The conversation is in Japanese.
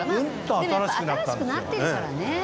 でも新しくなってるからね。